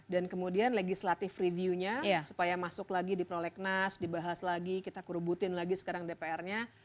dan kemudian legislatif reviewnya supaya masuk lagi di prolegnas dibahas lagi kita kerubutin lagi sekarang dprnya